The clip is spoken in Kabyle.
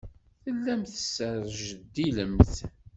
Tellamt tesrejdilemt.